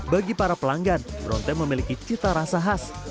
bagi para pelanggan brown tea memiliki cita rasa khas